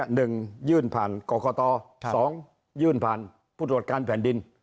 ๑ยื่นผ่านกรกต๒ยื่นผ่านผู้ตรวจการแผ่นดิน